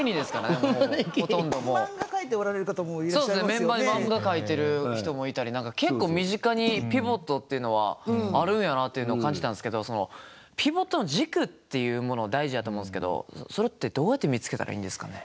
メンバーに漫画描いてる人もいたり何か結構身近にピボットっていうのはあるんやなっていうのを感じたんすけどそのピボットの軸っていうもの大事やと思うんすけどそれってどうやって見つけたらいいんですかね？